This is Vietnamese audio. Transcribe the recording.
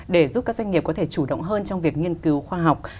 để giúp các doanh nghiệp có thể chủ động hơn trong việc nghiên cứu khoa học